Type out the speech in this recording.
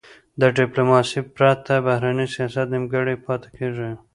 د ډیپلوماسی پرته، بهرنی سیاست نیمګړی پاته کېږي.